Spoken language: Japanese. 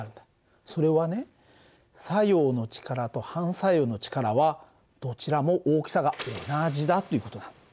それはね作用の力と反作用の力はどちらも大きさが同じだっていう事なんだ。